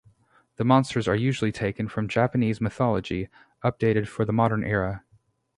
The monsters are usually taken from Japanese mythology, updated for the modern era.